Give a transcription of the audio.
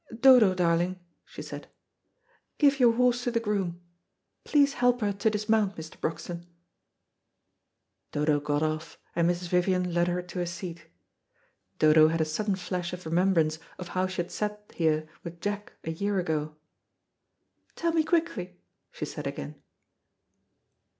"Dodo, darling," she said, "give your horse to the groom. Please help her to dismount, Mr. Broxton." Dodo got off, and Mrs. Vivian led her to a seat. Dodo had a sudden flash of remembrance of how she had sat here with Jack a year ago. "Tell me quickly," she said again.